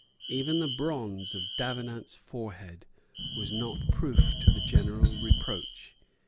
Even the bronze of Davenant's forehead was not proof to the general reproach.